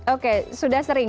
oke sudah sering